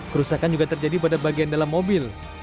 kerusakan juga terjadi pada bagian dalam mobil